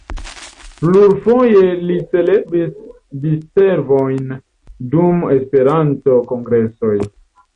Plurfoje li celebris diservojn dum Esperanto-kongresoj.